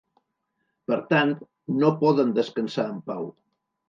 Per tant, no poden descansar en pau.